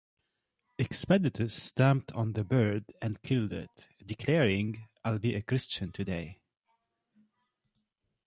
Expeditus stamped on the bird and killed it, declaring, I'll be a Christian today!